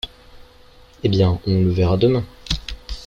Eh bien, on le verra demain.